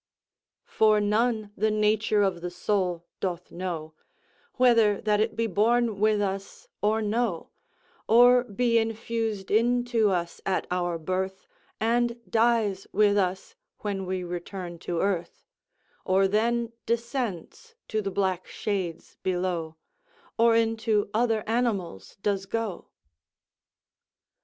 "For none the nature of the soul doth know, Whether that it be born with us, or no; Or be infused into us at our birth, And dies with us when we return to earth, Or then descends to the black shades below, Or into other animals does go."